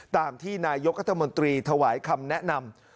ตามที่นายกรัฐมนตรีถวายคำแนะนำ